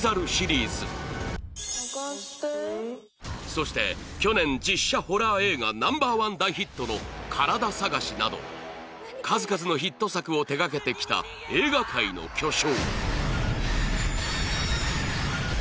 そして去年実写ホラー映画Ｎｏ．１大ヒットの「カラダ探し」など数々のヒット作を手がけてきた映画界の巨匠